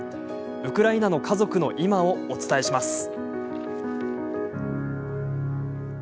ウクライナの家族の今をお伝えします。